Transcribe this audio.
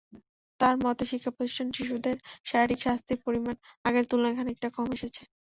তাঁর মতে, শিক্ষাপ্রতিষ্ঠানে শিশুদের শারীরিক শাস্তির পরিমাণ আগের তুলনায় খানিকটা কমে এসেছে।